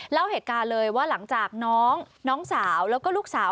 เล่าเหตุการณ์เลยว่าหลังจากน้องน้องสาวแล้วก็ลูกสาว